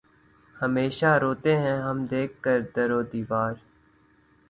ہمیشہ روتے ہیں ہم دیکھ کر در و دیوار